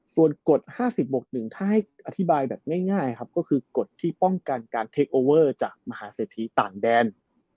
ส่วนกฎ๕๐บวก๑ถ้าให้อธิบายแบบง่ายครับก็คือกฎที่ป้องกันการเทคโอเวอร์จากมหาเศรษฐีต่างแดน